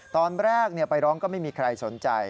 ตอนแรกไปร้องก็ไม่มีใครสนใจ